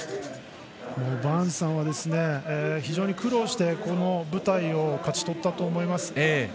バーンズさんは非常に苦労してこの舞台を勝ち取ったと思います。